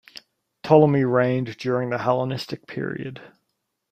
Ptolemy reigned during the Hellenistic period.